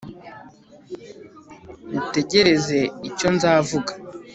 utegereze icyo nzavuga